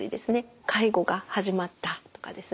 介護が始まったとかですね